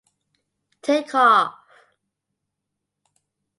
Takeoff!